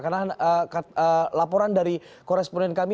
karena laporan dari koresponden kami